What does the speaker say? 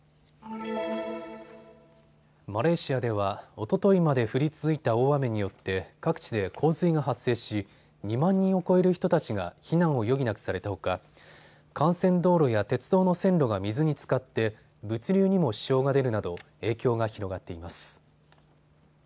マレーシアではおとといまで降り続いた大雨によって各地で洪水が発生し、２万人を超える人たちが避難を余儀なくされたほか幹線道路や鉄道の線路が水につかって物流にも支障が出るなど影響が広がっています。